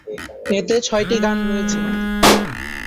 এতে ছয়টি গান রয়েছে।